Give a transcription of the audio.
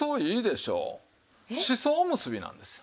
しそおむすびなんですよ。